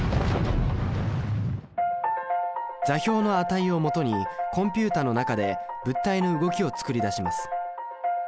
座標の値をもとにコンピュータの中で物体の動きを作り出します。